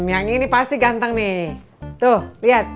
yang ini pasti ganteng nih tuh lihat